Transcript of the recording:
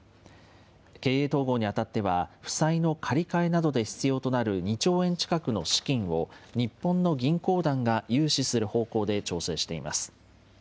経営統合にあたっては、負債の借り換えなどで必要となる２兆円近くの資金を、日本の銀行団が融資する方向で調整しています。